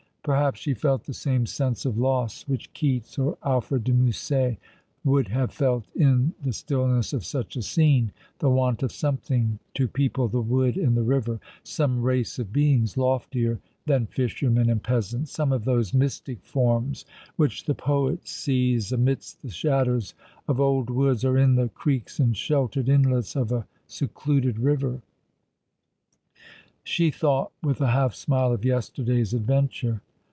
Perhaps she felt the same sense of loss which Keats or Alfred de Musset would have felt in the stillness of such a scene — the want of something to people tho wood and the river — some race of beings loftier than fishermen and peasants ; some of those mystic forms which 32 Ail along the Rivef, the poet sees amidst the shadows of old woods or in the creeks and sheltered inlets of a secluded river. She thought, with a half smile, of yesterday's adventure.